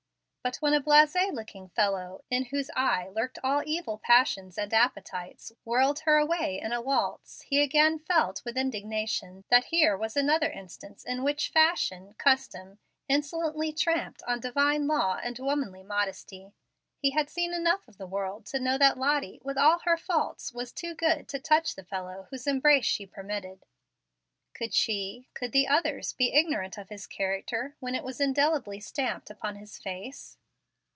But when a blast looking fellow, in whose eye lurked all evil passions and appetites, whirled her away in a waltz, he again felt, with indignation, that here was another instance in which fashion custom insolently trampled on divine law and womanly modesty. He had seen enough of the world to know that Lottie, with all her faults, was too good to touch the fellow whose embrace she permitted. Could she could the others be ignorant of his character, when it was indelibly stamped upon his face?